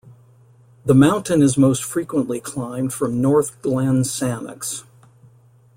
The mountain is most frequently climbed from North Glenn Sannox.